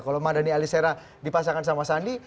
kalau mardani alisera dipasangkan sama sandi